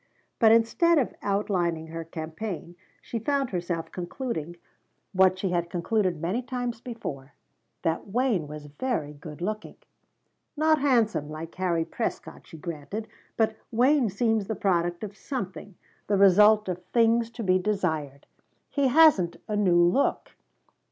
But instead of outlining her campaign she found herself concluding, what she had concluded many times before, that Wayne was very good looking. "Not handsome, like Harry Prescott," she granted, "but Wayne seems the product of something the result of things to be desired. He hasn't a new look."